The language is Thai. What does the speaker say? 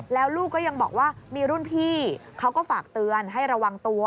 แล้วลูกก็ยังบอกว่ามีรุ่นพี่เขาก็ฝากเตือนให้ระวังตัว